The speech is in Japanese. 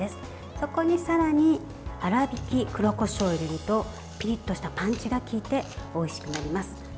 そこに、さらに粗びき黒こしょうを入れるとピリッとしたパンチが効いておいしくなります。